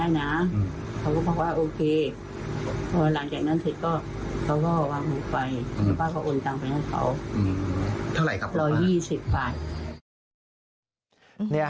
แล้วหลังจากนั้นเสร็จก็เขาก็ก่อนไปเมื่อกลับเป็นตามไม่เขา